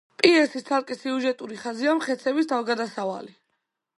პიესის ცალკე სიუჟეტური ხაზია მხეცების თავგადასავალი.